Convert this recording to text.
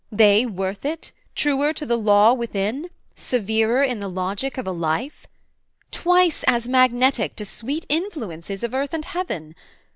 They worth it? truer to the law within? Severer in the logic of a life? Twice as magnetic to sweet influences Of earth and heaven?